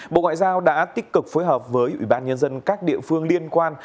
bộ ngoại giao đã tích cực phối hợp với ủy ban nhân dân các địa phương liên quan